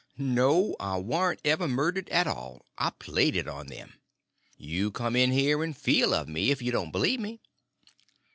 _" "No. I warn't ever murdered at all—I played it on them. You come in here and feel of me if you don't believe me."